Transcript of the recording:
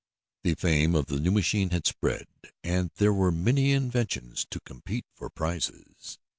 The fame of the new machine had spread, and there were many invitations to compete for prizes.